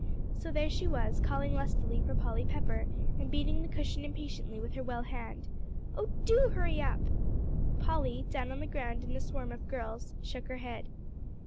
So there she was, calling lustily for Polly Pepper, and beating the cushion impatiently with her well hand. "Oh, do hurry up!" Polly, down on the ground in a swarm of girls, shook her head.